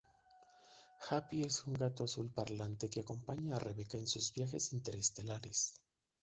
Happy es un gato azul parlante que acompaña a Rebecca es sus viajes interestelares.